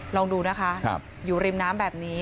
ลองดูนะคะอยู่ริมน้ำแบบนี้